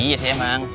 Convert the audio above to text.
iya sih emang